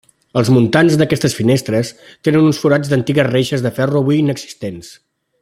Els muntants d'aquestes finestres tenen uns forats d'antigues reixes de ferro avui inexistents.